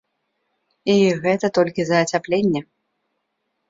І гэта толькі за ацяпленне.